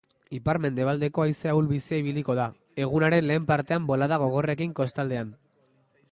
Ipar-mendebaldeko haize ahul-bizia ibiliko da, egunaren lehen partean bolada gogorrekin kostaldean.